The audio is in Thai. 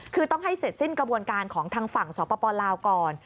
คือต้องให้เสร็จสิ้นกระบวนการของทางฝั่งสปลาวก่อน